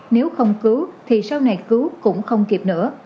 nếu không cứu thì sau này cứu cũng không kịp nữa